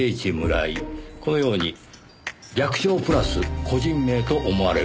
このように略称プラス個人名と思われるタイプ。